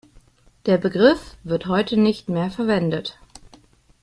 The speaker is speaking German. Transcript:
Der Begriff wird heute nicht mehr verwendet.